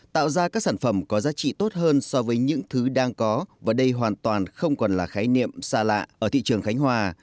tạo ra các sản phẩm có giá trị tốt hơn so với những thứ đang có và đây hoàn toàn không còn là khái niệm xa lạ ở thị trường khánh hòa